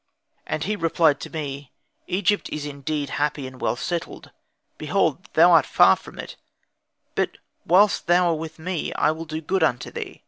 And he replied to me, "Egypt is indeed happy and well settled; behold thou art far from it, but whilst thou art with me I will do good unto thee."